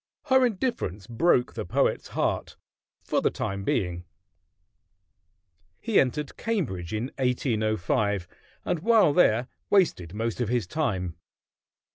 Her indifference broke the poet's heart for the time being. He entered Cambridge in 1805, and while there wasted most of his time.